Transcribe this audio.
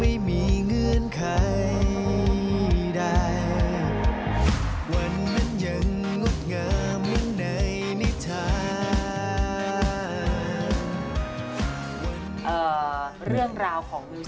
เพิ่มยอดวิว